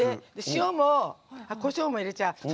塩も、こしょうも入れちゃう。